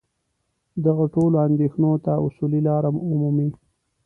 دغو ټولو اندېښنو ته اصولي لاره ومومي.